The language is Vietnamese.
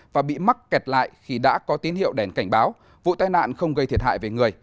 và bị mắc kẹt lại khi đã có tín hiệu đèn cảnh báo vụ tai nạn không gây thiệt hại về người